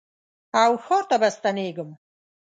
او ښار ته به ستنېږم